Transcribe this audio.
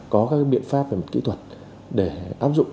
có các biện pháp và kỹ thuật để áp dụng